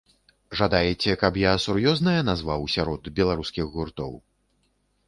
Жадаеце каб я сур'ёзнае назваў сярод беларускіх гуртоў?